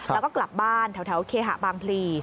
แล้วก็กลับบ้านแถวเคหะบางพลี